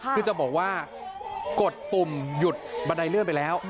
คือจะบอกว่ากดปุ่มหยุดบันไดเลื่อนไปแล้ว